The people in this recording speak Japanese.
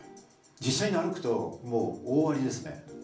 実際に歩くともう大ありですね。